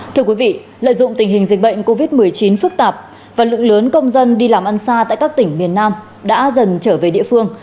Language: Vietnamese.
thưa quý vị lợi dụng tình hình dịch bệnh covid một mươi chín phức tạp và lượng lớn công dân đi làm ăn xa tại các tỉnh miền nam đã dần trở về địa phương